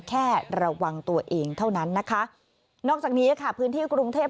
แค่ระวังตัวเองเท่านั้นนะคะนอกจากนี้ค่ะพื้นที่กรุงเทพ